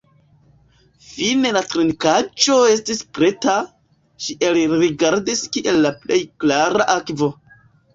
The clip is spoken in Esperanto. Fine la trinkaĵo estis preta; ŝi elrigardis kiel la plej klara akvo.